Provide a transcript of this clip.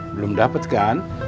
belum dapet kan